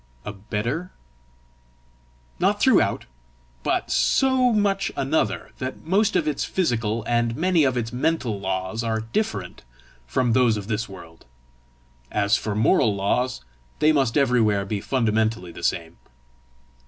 "A better?" "Not throughout; but so much another that most of its physical, and many of its mental laws are different from those of this world. As for moral laws, they must everywhere be fundamentally the same."